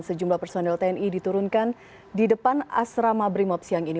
sejumlah personel tni diturunkan di depan asrama brimop siang ini